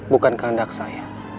bukan kehendak saya